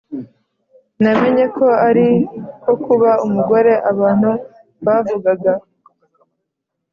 namenye ko ari ko kuba umugore abantu bavugaga,